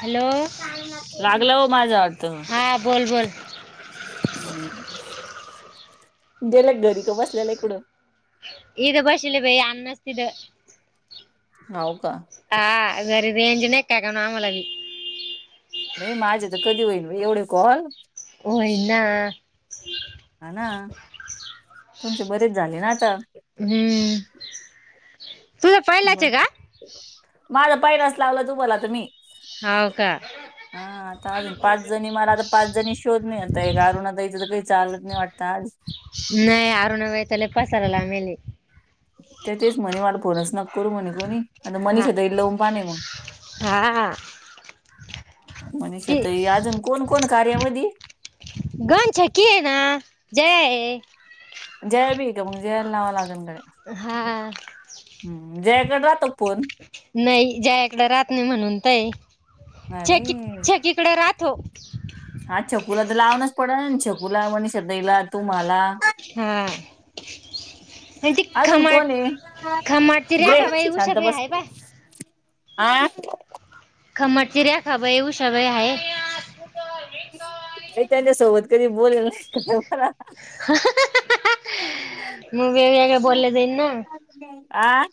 Hello लागला हो माझा अर्थ हा बोल बोल गेला का घरी बसलेला आहे कुडं इथ बसवले बाई अन असतद [unintelligible] हो का? हा घरी रेंज देज नाही काग आम्हालाही म माझ्या तर कधी होईल एवढे कॉल? होयना हा ना तुमची बरीच झाली ना आता हं तुझ पहिलाच आहे का? माझ पाहिलाच लावलं तूम्हाला तर मी हाव का हा आता अजून पाच जणी मला आता पाच जणी शोध मिळेल. ते आरूणा ताई आता इथ तर काही चालत नाही वाटत आ नाही आरुणा ताई [inaudible] [unintelligible] पसारला आमेली त्या तेच म्हणे मला फोनच न करू म्हणे कोणी आता हा मनीषाताई लवून पाहिन मग हा मनीषा ती ताई आजून कोण कोण कार्यामध्ये गणछी कि ना जय [unintelligible] [inaudible] जया भी आहे का मग जयाला लावावा लागेल कडे हा जयाकडे राहतो का फोन? नाही जया इकड राहत नाही म्हणून तय छकी अरे छकीकडे राहतो. हा छकुला तर लावणच पडला छकूला मणे श्रद्धेला [unintelligible] तुम्हाला हा म्हण त अजून खमाट कोण आहे खमाट त रे का बाई उषा प आहे बाय आह खमटचीि र्या खब येव सय आहे का त्यांच्या सोबत कधी बोलल नाही क मला म बगगे बो देन ना आं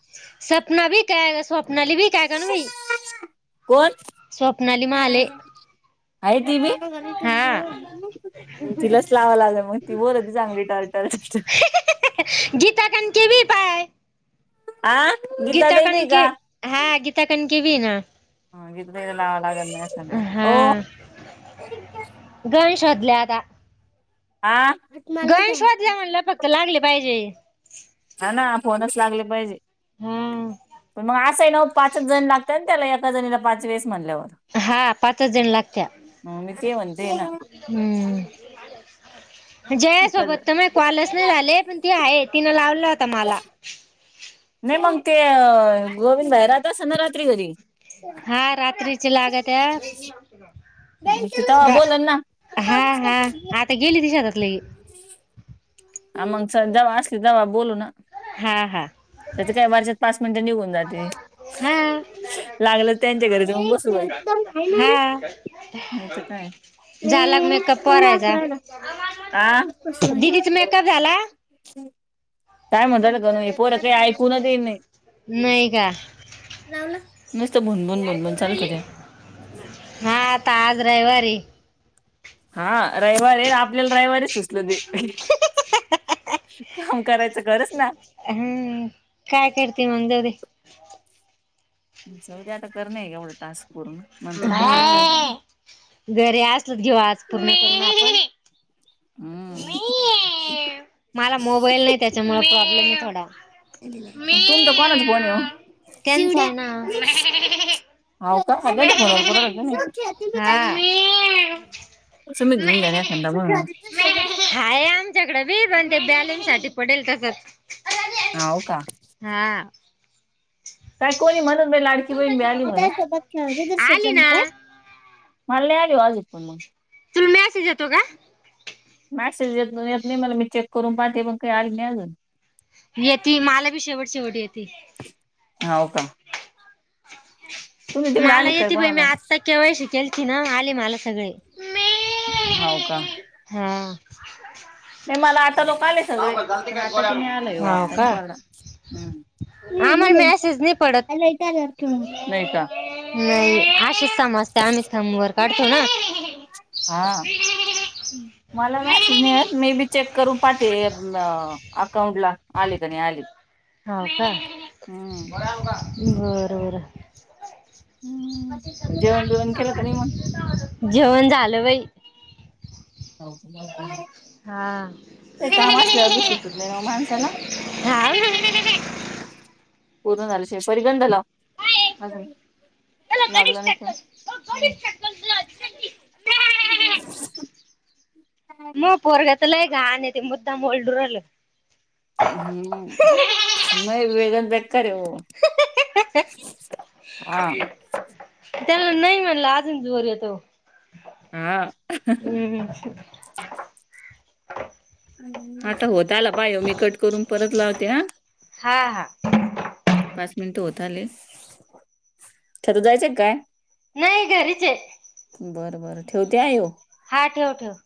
सपना ब कय स्वप्नाली बी कय ग ना बई कोण स्वप्नली माले अरे ती बीा ठेव ब तिलाच लावाव लागे मग ती बोल त चांगली टर् टर गीता कण केवी पाय आं गीताकनके हा गीताकनके पण ना ह [unintelligible] गि [inaudible] लालाग अस हो गणेश वदल्याता आ गणेशवात जाऊनला फक्त लागले पाहिजे ह ना फोनच लागले पाहिजे हा पण मग असंय ना पाचच जण लागत ना त्याला कजणीला पाच वेळेस म्हनल्यावर हा पाचच जण लागत्या ह मी ते म्हणते ना हम्म जय एका जण सोबत त क्ॉलस नाही झाले पण ती आहे तिनं लाव नाही मग ते गोविंद बाहेरहत असतना रात्री घरी हा रात्रीची लागत्या तेव्हा रा बोलन ना हा हा आता गेली तिशातातले ह मग जव असली तेव्हा बोलू ना हा हा त्याच काय वारच्याात पाच मिनिटं निघून जाते हा लागल त्यांच्या घरी जाऊन बसू हा नाही तर काय झालाग मेकअप करायचा हा कसहि च मेकअप झाला ह् काय म्हणतालं काण हे पोर काही ऐकून दे नाही नाही का लाव मस्त भुनभन भुन ब चालत होत्या हा ताज रहिवारी हा रविवार आहे आपल्याला राविवारच सुचल काम करायचं खरच ना हम्म काय करते मग दवे आता कर नाही एवढं टास्क करून नंतर कशी येतील काही घरीे असलच घेऊ आज पूर्ण करून आपण हम् मला मोबाईल नाही त्याच्यामुळे प्रॉब्लेम आहे थोडा तुमचा कोणाच फोन ये त्यांचा शिवड्या आहे ना होा का खा मन ब लाग हा त मी घेऊन घेण्याखांदा ब हाय आमच्याकडें बी पण ते बॅलेन साठी पडेल तसंच. हा हो का? हा. काय कोणी म्हणून लाडकी बहीण मिळाली. आली ना म आगे वाजित त म तुला मॅसेज येतो का? मॅसेज येत येत नाही मला मी चेक करून पाहते पण काही आली नाही अजून येते मला बी शेवट शेवटी येते. ह हो का? तुम्ही तिकडे मला आले काय येते पई कोणाला मी आत्ता केव्हा शिकेल त ना आली मला सगळे होव का? हा नाही मला आता लोक आले सगळे पण आताचे मी आलय हाव आपतानी का पड हम्. आम्हाला मेसेज नाही पडत ह. नाही अशीच समजते आम्ही समर काढतो ना. हा मलासे नाही मे बी चेक करून पाठे अकाउंट ला आले क नाही आली. हो का बर बर. म ते जेवण बिवण केलं का नाही जेवण झालं वई ह. हा सुचत नाही ना माणसाला हा. पूर्ण झा श फगडला. लागलं नाही प [unintelligible] [unintelligible] मग पोरग्या तलाय ग ते मुद्दाम लडूरल हम्म म वेदन बकर येव. हा [unintelligible] त्याला नाही म्हणलं अजूनर य तो हा. हम्. आता होत आला पाय मी कट करून परत लावते ना. हा हा पाच मिनिट होतले तर जायचं काय? नाही घरीचे बरं बरं ठेवते आ येो. हा ठेव ठेव.